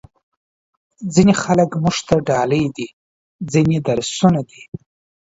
ځینې خلک موږ ته ډالۍ دي، ځینې درسونه دي.